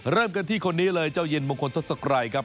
เริ่มกันที่คนนี้เลยเจ้าเย็นมงคลทศกรัยครับ